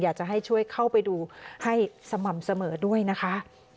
อยากจะให้ช่วยเข้าไปดูให้สม่ำเสมอด้วยนะคะ